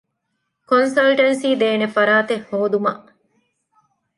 ކޮންސަލްޓެންސީ ދޭނެ ފަރާތެއް ހޯދުމަށް